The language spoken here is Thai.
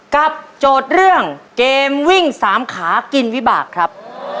โจทย์เรื่องเกมวิ่งสามขากินวิบากครับ